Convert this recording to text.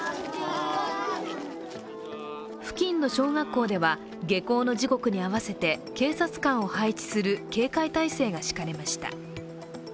付近の小学校では下校の時刻に合わせて警察官を配置する警戒態勢が敷かれました。